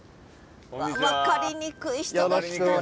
分かりにくい人が来たなあ。